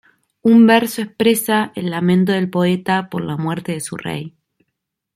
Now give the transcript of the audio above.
Un verso expresa el lamento del poeta por la muerte de su rey.